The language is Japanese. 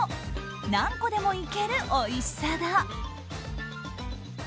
何個でもいけるおいしさだ。